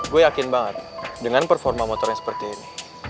gue yakin banget dengan performa motor yang seperti ini